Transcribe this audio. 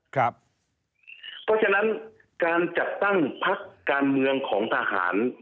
เพราะฉะนั้นการจัดตั้งพักการเมืองของทหาร